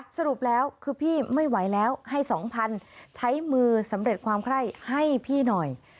สรุปแล้วคือพี่ไม่ไหวแล้วให้๒๐๐๐ใช้มือสำเร็จความไคร้ให้พี่หน่อย